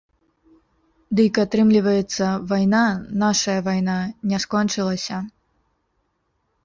Дык, атрымліваецца, вайна, нашая вайна, не скончылася.